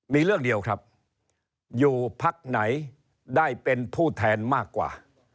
มีเรื่องเดียวครับอยู่พักไหนได้เป็นผู้แทนมากกว่า